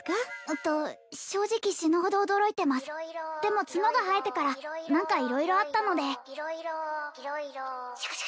んと正直死ぬほど驚いてますでも角が生えてから何か色々あったので色々色々